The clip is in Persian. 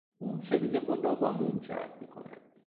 او سبیل خود را با موم چرب میکند.